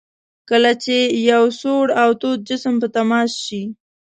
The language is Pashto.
کله چې یو سوړ او تود جسم په تماس شي.